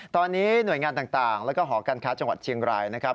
ตอนนี้หน่วยงานต่างแล้วก็หอการค้าจังหวัดเชียงรายนะครับ